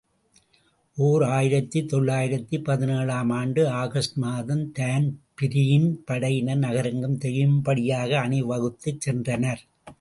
ஓர் ஆயிரத்து தொள்ளாயிரத்து பதினேழு ஆம் ஆண்டு ஆகஸ்டு மாதம், தான்பிரீன் படையினர் நகரெங்கும் தெரியும்படியாக அணிவகுத்துச் சென்றனர்.